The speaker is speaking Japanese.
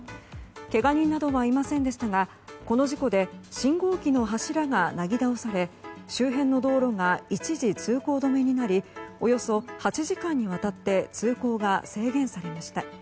けが人などはいませんでしたがこの事故で信号機の柱がなぎ倒され周辺の道路が一時通行止めになりおよそ８時間にわたって通行が制限されました。